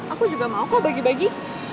aku juga mau kok bagi bagi